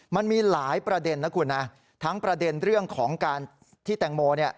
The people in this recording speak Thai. มันมีหลายประเด็นนะคุณนะทั้งประเด็นเรื่องของการที่แตงโมเนี่ย